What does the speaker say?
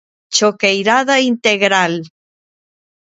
Choqueirada integral.